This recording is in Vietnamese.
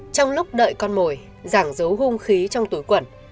trong lúc đợi con mồi giảng giấu hung khí trong túi quẩn